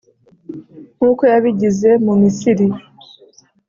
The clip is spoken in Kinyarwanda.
nk’uko yabigize mu Misiri.